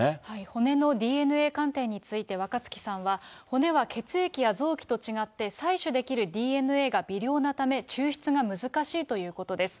骨のＤＮＡ鑑定について、若槻さんは、骨は血液や臓器と違って、採取できるＤＮＡが微量なため、抽出が難しいということです。